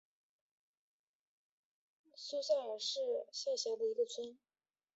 苏萨梅尔是吉尔吉斯斯坦楚河州加依勒区下辖的一个村。